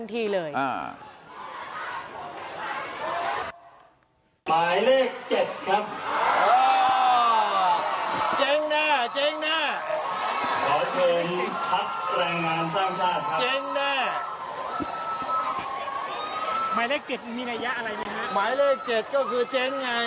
ไอหนูเจ๊งแน่